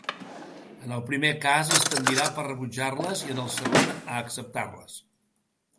En el primer cas, es tendirà per rebutjar-les, i en el segon a acceptar-les.